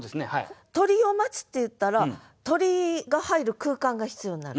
「鳥を待つ」っていったら鳥が入る空間が必要になる。